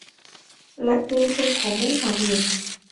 lại thêm không có mũ bảo hiểm